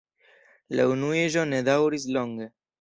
La unuiĝo ne daŭris longe.